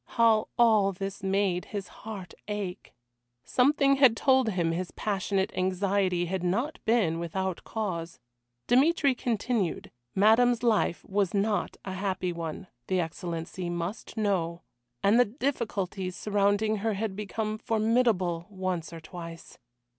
How all this made his heart ache! Something had told him his passionate anxiety had not been without cause. Dmitry continued: Madame's life was not a happy one, the Excellency must know, and the difficulties surrounding her had become formidable once or twice.